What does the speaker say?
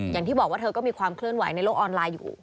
อย่างที่บอกว่าเธอก็มีความเคลื่อนไหวในโลกออนไลน์อยู่